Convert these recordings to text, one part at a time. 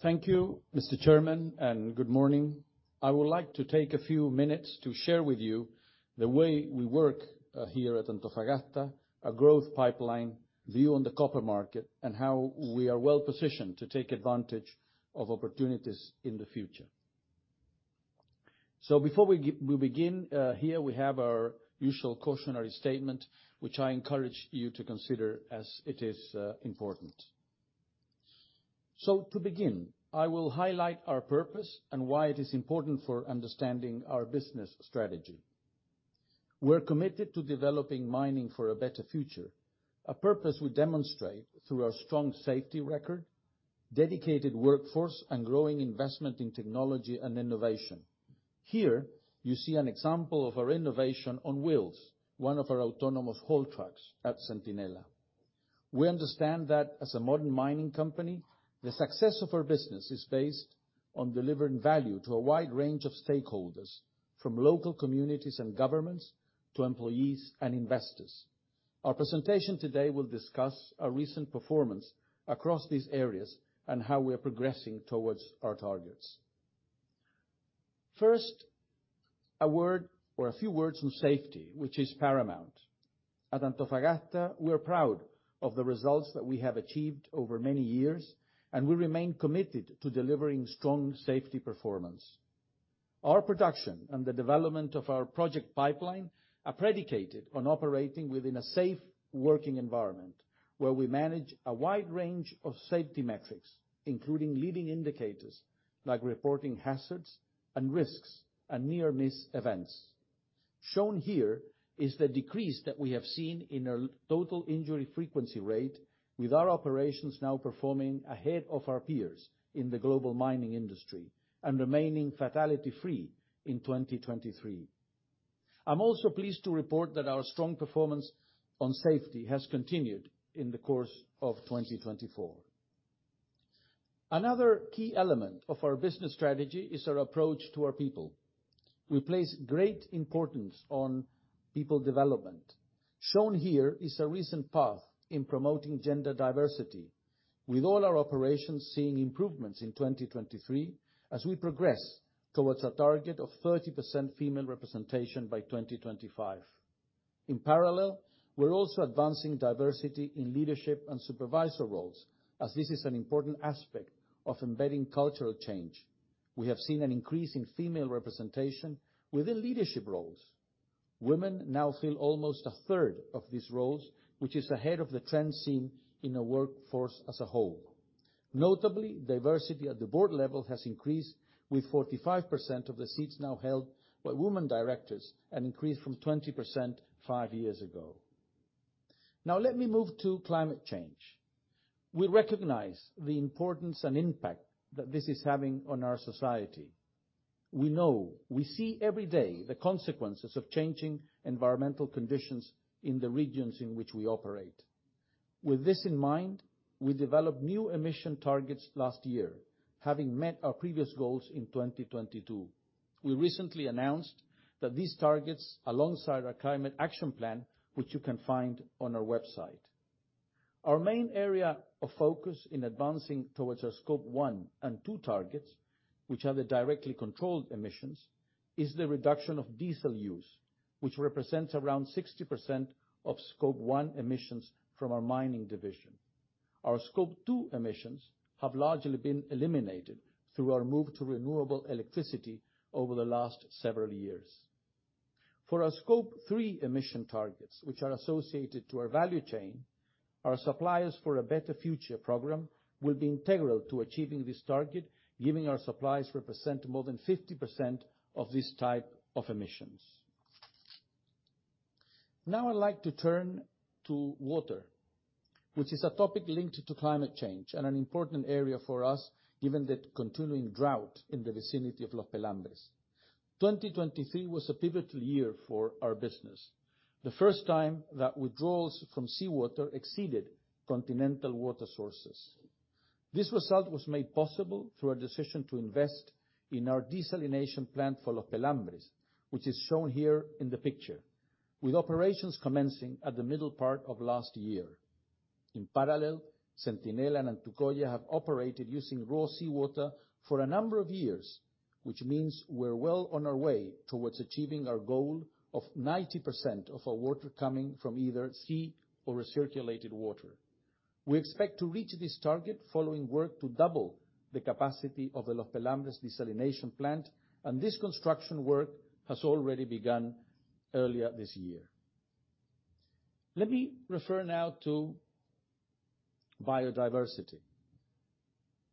Thank you, Mr. Chairman, and good morning. I would like to take a few minutes to share with you the way we work here at Antofagasta, our growth pipeline, view on the copper market, and how we are well-positioned to take advantage of opportunities in the future. So before we begin here, we have our usual cautionary statement, which I encourage you to consider as it is important. So to begin, I will highlight our purpose and why it is important for understanding our business strategy. We're committed to developing mining for a better future, a purpose we demonstrate through our strong safety record, dedicated workforce, and growing investment in technology and innovation. Here, you see an example of our innovation on wheels, one of our autonomous haul trucks at Centinela. We understand that as a modern mining company, the success of our business is based on delivering value to a wide range of stakeholders, from local communities and governments to employees and investors. Our presentation today will discuss our recent performance across these areas, and how we are progressing towards our targets. First, a word or a few words on safety, which is paramount. At Antofagasta, we are proud of the results that we have achieved over many years, and we remain committed to delivering strong safety performance. Our production and the development of our project pipeline are predicated on operating within a safe working environment, where we manage a wide range of safety metrics, including leading indicators, like reporting hazards and risks and near-miss events. Shown here is the decrease that we have seen in our total injury frequency rate, with our operations now performing ahead of our peers in the global mining industry and remaining fatality-free in 2023. I'm also pleased to report that our strong performance on safety has continued in the course of 2024. Another key element of our business strategy is our approach to our people. We place great importance on people development. Shown here is a recent path in promoting gender diversity, with all our operations seeing improvements in 2023, as we progress towards a target of 30% female representation by 2025. In parallel, we're also advancing diversity in leadership and supervisor roles, as this is an important aspect of embedding cultural change. We have seen an increase in female representation within leadership roles. Women now fill almost a third of these roles, which is ahead of the trend seen in the workforce as a whole. Notably, diversity at the board level has increased, with 45% of the seats now held by woman directors, an increase from 20% five years ago. Now, let me move to climate change. We recognize the importance and impact that this is having on our society. We know, we see every day the consequences of changing environmental conditions in the regions in which we operate. With this in mind, we developed new emission targets last year, having met our previous goals in 2022. We recently announced that these targets, alongside our climate action plan, which you can find on our website. Our main area of focus in advancing towards our Scope one and two targets, which are the directly controlled emissions, is the reduction of diesel use, which represents around 60% of Scope one emissions from our mining division. Our Scope two emissions have largely been eliminated through our move to renewable electricity over the last several years. For our Scope three emission targets, which are associated to our value chain, our Suppliers for a Better Future program will be integral to achieving this target, giving our suppliers represent more than 50% of this type of emissions. Now, I'd like to turn to water, which is a topic linked to climate change and an important area for us, given the continuing drought in the vicinity of Los Pelambres. 2023 was a pivotal year for our business, the first time that withdrawals from seawater exceeded continental water sources. This result was made possible through a decision to invest in our desalination plant for Los Pelambres, which is shown here in the picture, with operations commencing at the middle part of last year. In parallel, Centinela and Antucoya have operated using raw seawater for a number of years, which means we're well on our way towards achieving our goal of 90% of our water coming from either sea or recirculated water. We expect to reach this target following work to double the capacity of the Los Pelambres desalination plant, and this construction work has already begun earlier this year. Let me refer now to biodiversity.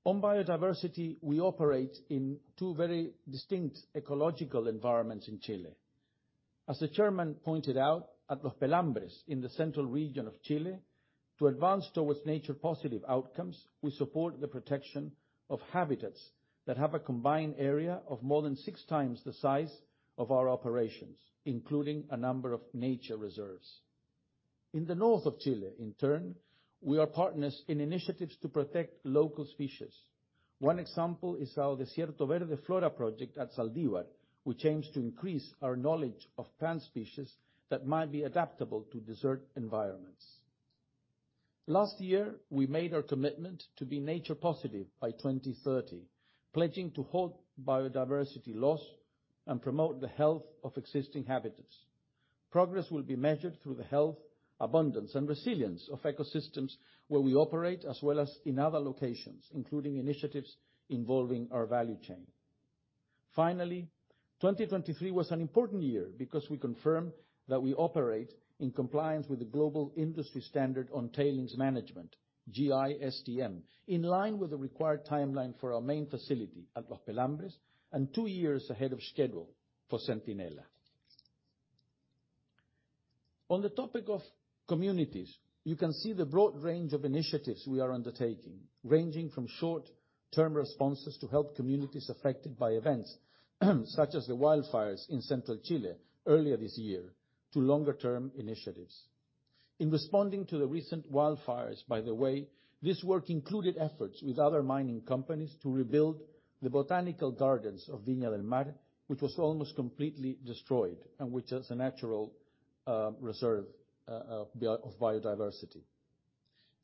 On biodiversity, we operate in two very distinct ecological environments in Chile. As the chairman pointed out, at Los Pelambres, in the central region of Chile, to advance towards nature-positive outcomes, we support the protection of habitats that have a combined area of more than six times the size of our operations, including a number of nature reserves. In the north of Chile, in turn, we are partners in initiatives to protect local species. One example is our Desierto Verde Flora project at Zaldívar, which aims to increase our knowledge of plant species that might be adaptable to desert environments. Last year, we made our commitment to be nature positive by 2030, pledging to halt biodiversity loss and promote the health of existing habitats. Progress will be measured through the health, abundance, and resilience of ecosystems where we operate, as well as in other locations, including initiatives involving our value chain. Finally, 2023 was an important year because we confirmed that we operate in compliance with the Global Industry Standard on Tailings Management, GISTM, in line with the required timeline for our main facility at Los Pelambres, and two years ahead of schedule for Centinela. On the topic of communities, you can see the broad range of initiatives we are undertaking, ranging from short-term responses to help communities affected by events, such as the wildfires in central Chile earlier this year, to longer-term initiatives. In responding to the recent wildfires, by the way, this work included efforts with other mining companies to rebuild the botanical gardens of Viña del Mar, which was almost completely destroyed and which is a natural reserve of biodiversity.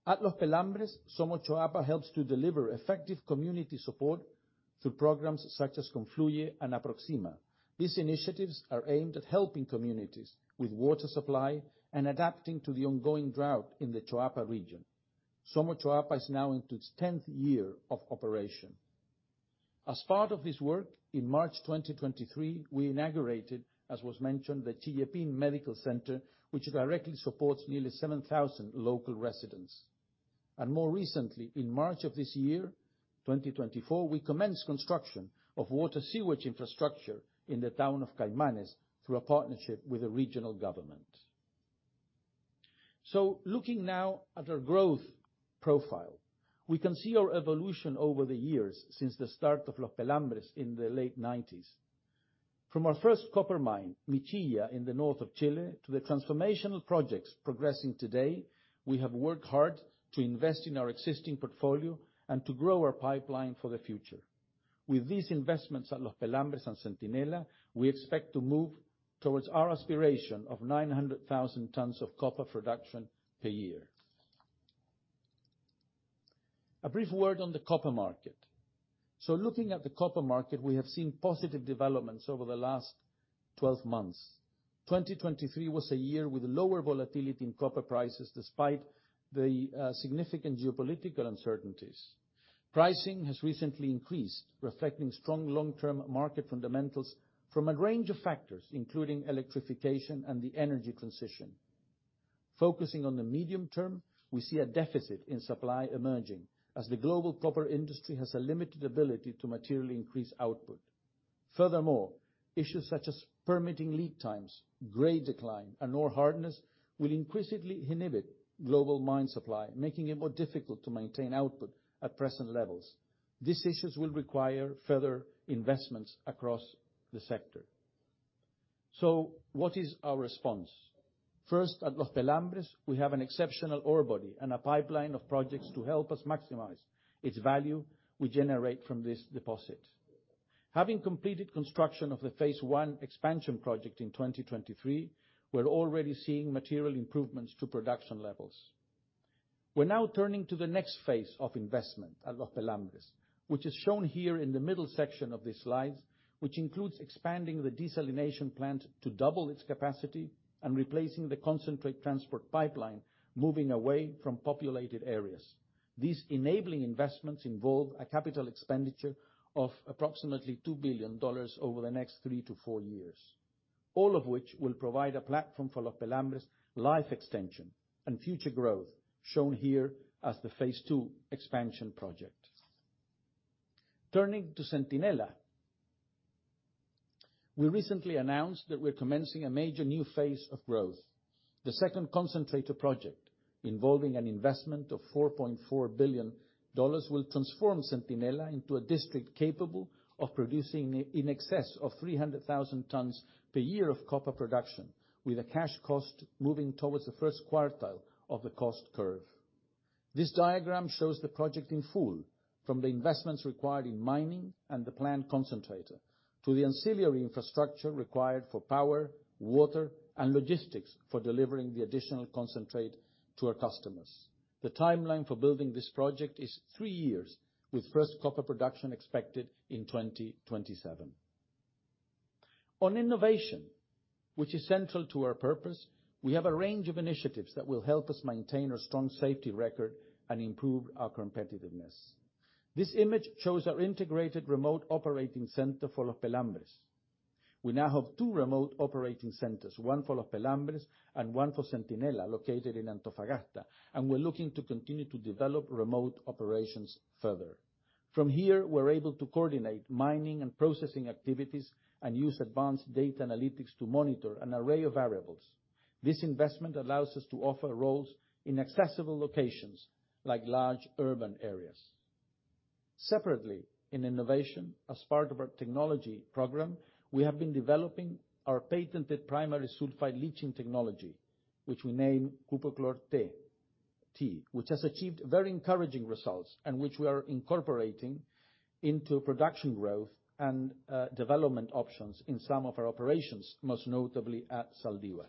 At Los Pelambres, Somos Choapa helps to deliver effective community support through programs such as Confluye and Aproxima. These initiatives are aimed at helping communities with water supply and adapting to the ongoing drought in the Choapa region. Somos Choapa is now into its tenth year of operation. As part of this work, in March 2023, we inaugurated, as was mentioned, the Medical Center, which directly supports nearly 7,000 local residents. And more recently, in March of this year, 2024, we commenced construction of water sewage infrastructure in the town of Caimanes through a partnership with the regional government. So looking now at our growth profile, we can see our evolution over the years since the start of Los Pelambres in the late nineties. From our first copper mine, Michilla, in the north of Chile, to the transformational projects progressing today, we have worked hard to invest in our existing portfolio and to grow our pipeline for the future. With these investments at Los Pelambres and Centinela, we expect to move towards our aspiration of 900,000 tons of copper production per year. A brief word on the copper market. So looking at the copper market, we have seen positive developments over the last 12 months. 2023 was a year with lower volatility in copper prices, despite the significant geopolitical uncertainties. Pricing has recently increased, reflecting strong long-term market fundamentals from a range of factors, including electrification and the energy transition. Focusing on the medium term, we see a deficit in supply emerging, as the global copper industry has a limited ability to materially increase output. Furthermore, issues such as permitting lead times, grade decline, and ore hardness will increasingly inhibit global mine supply, making it more difficult to maintain output at present levels. These issues will require further investments across the sector. So what is our response? First, at Los Pelambres, we have an exceptional ore body and a pipeline of projects to help us maximize its value we generate from this deposit. Having completed construction of the phase one expansion project in 2023, we're already seeing material improvements to production levels. We're now turning to the next phase of investment at Los Pelambres, which is shown here in the middle section of this slide, which includes expanding the desalination plant to double its capacity and replacing the concentrate transport pipeline, moving away from populated areas. These enabling investments involve a capital expenditure of approximately $2 billion over the next three-four years, all of which will provide a platform for Los Pelambres' life extension and future growth, shown here as the phase two expansion project. Turning to Centinela, we recently announced that we're commencing a major new phase of growth. The second concentrator project, involving an investment of $4.4 billion, will transform Centinela into a district capable of producing in excess of 300,000 tons per year of copper production, with a cash cost moving towards the first quartile of the cost curve. This diagram shows the project in full, from the investments required in mining and the planned concentrator, to the ancillary infrastructure required for power, water, and logistics for delivering the additional concentrate to our customers. The timeline for building this project is three years, with first copper production expected in 2027. On innovation, which is central to our purpose, we have a range of initiatives that will help us maintain our strong safety record and improve our competitiveness. This image shows our integrated remote operating center for Los Pelambres. We now have two remote operating centers, one for Los Pelambres and one for Centinela, located in Antofagasta, and we're looking to continue to develop remote operations further. From here, we're able to coordinate mining and processing activities and use advanced data analytics to monitor an array of variables. This investment allows us to offer roles in accessible locations, like large urban areas. Separately, in innovation, as part of our technology program, we have been developing our patented primary sulfide leaching technology, which we name Cuprochlor-T, which has achieved very encouraging results and which we are incorporating into production growth and development options in some of our operations, most notably at Zaldívar.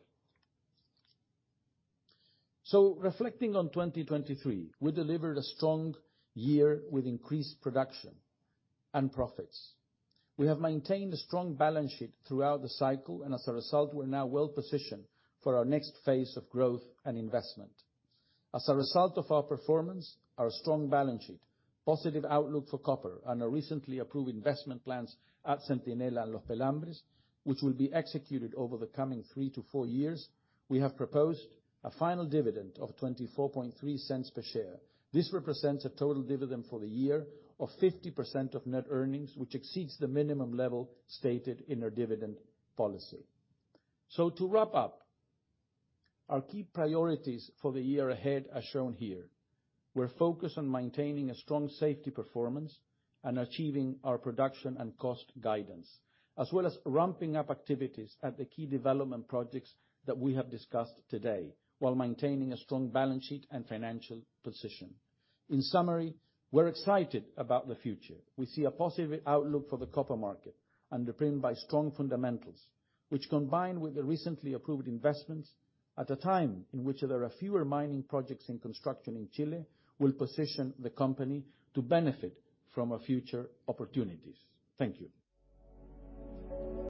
So reflecting on 2023, we delivered a strong year with increased production and profits. We have maintained a strong balance sheet throughout the cycle, and as a result, we're now well positioned for our next phase of growth and investment. As a result of our performance, our strong balance sheet, positive outlook for copper, and our recently approved investment plans at Centinela and Los Pelambres, which will be executed over the coming 3-four years, we have proposed a final dividend of $0.243 per share. This represents a total dividend for the year of 50% of net earnings, which exceeds the minimum level stated in our dividend policy. So to wrap up, our key priorities for the year ahead are shown here. We're focused on maintaining a strong safety performance and achieving our production and cost guidance, as well as ramping up activities at the key development projects that we have discussed today, while maintaining a strong balance sheet and financial position. In summary, we're excited about the future. We see a positive outlook for the copper market, underpinned by strong fundamentals, which, combined with the recently approved investments, at a time in which there are fewer mining projects in construction in Chile, will position the company to benefit from our future opportunities. Thank you.